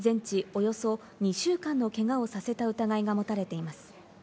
およそ２週間のけがをさせた疑いが持たれています。